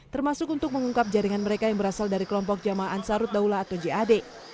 termasuk untuk mengungkap jaringan mereka yang berasal dari kelompok jamaah ansarut daulah atau jad